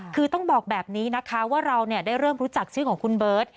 คือต้องบอกแบบนี้นะคะว่าเราได้เริ่มรู้จักชื่อของคุณเบิร์ต